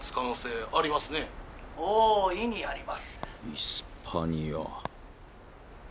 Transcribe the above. イスパニア。